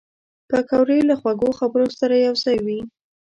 پکورې له خوږو خبرو سره یوځای وي